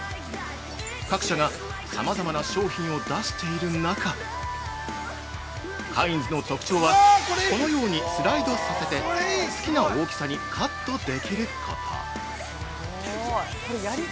各社が、さまざまな商品を出している中カインズの特徴は、このようにスライドさせて好きな大きさにカットできること。